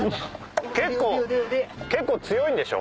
結構強いんでしょ？